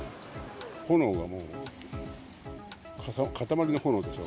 炎がもう塊の炎でした。